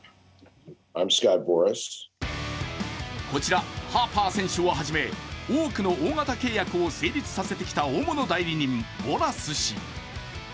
こちらハーパー選手をはじめ、多くの大型契約を成立させてきた大物代理人、ボラス氏。